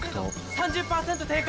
３０％低下！